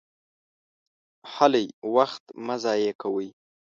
هلئ! وخت مه ضایع کوئ!